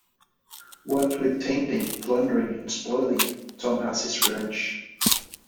What with tainting, plundering, and spoiling, Tom has his revenge.